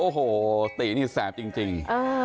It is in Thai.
โอ้โหตินี่แสบจริง